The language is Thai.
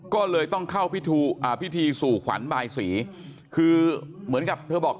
ก็เลยต้องเข้าพิธีสู่ขวัญบายสีคือเหมือนกับเธอบอก